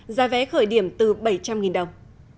giá vé khởi điểm từ bảy trăm linh đồng